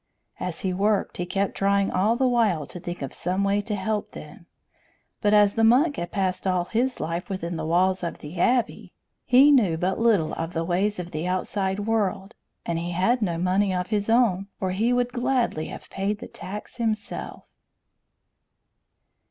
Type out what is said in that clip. As he worked, he kept trying all the while to think of some way to help them; but as the monk had passed all his life within the walls of the Abbey, he knew but little of the ways of the outside world; and he had no money of his own, or he would gladly have paid the tax himself.